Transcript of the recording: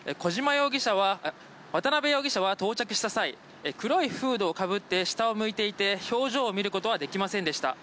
渡邉容疑者は到着した際黒いフードをかぶって下を向いていて表情を見ることはできませんでした。